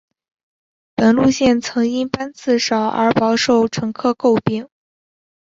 本路线曾因班次少而饱受乘客诟病。